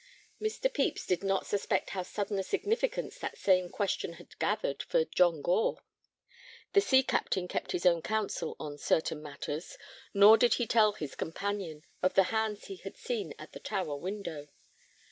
Mr. Pepys did not suspect how sudden a significance that same question had gathered for John Gore. The sea captain kept his own counsel on certain matters, nor did he tell his companion of the hands he had seen at the tower window.